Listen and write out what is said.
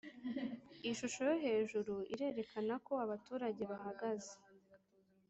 Ishusho yo hejuru irerekana ko abaturage bahageze